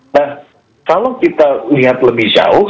nah kalau kita lihat lebih jauh